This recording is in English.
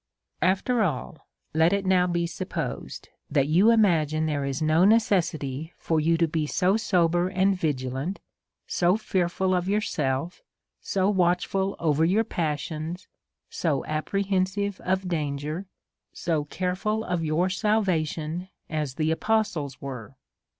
After all, let it now be supposed, that you imagine there is no necessity for you to be so sober and vigi lant, so fearful of yourself, so watchful over your pas sions, so apprehensive of danger, so careful of your salvation, as the apostles were.